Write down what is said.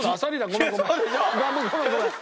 ごめんごめん。